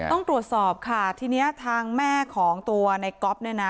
ต้องตรวจสอบค่ะทีนี้ทางแม่ของตัวในก๊อฟเนี่ยนะ